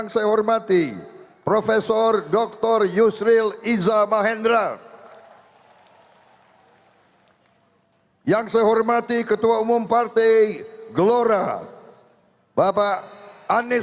salam sejahtera bagi kita sekalian